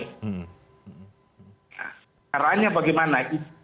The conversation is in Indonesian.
nah caranya bagaimana